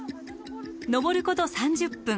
登ること３０分。